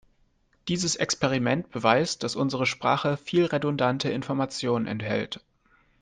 Dieses Experiment beweist, dass unsere Sprache viel redundante Information enthält.